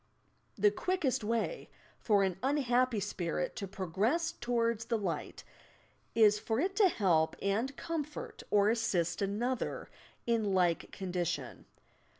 The quickest way for an unhappy spirit to progress towards the light is for it to help and comfort or assist another in like condition.